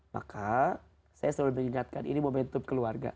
maka saya selalu mengingatkan ini momentum keluarga